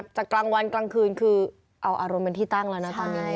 จากกลางวันกลางคืนคือเอาอารมณ์เป็นที่ตั้งแล้วนะตอนนี้